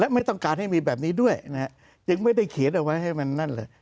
ไม่ต้องการให้มีแบบนี้ด้วยนะฮะยังไม่ได้เขียนเอาไว้ให้มันนั่นเลย